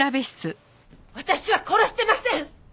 私は殺してません！